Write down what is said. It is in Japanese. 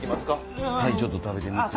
ちょっと食べてみて。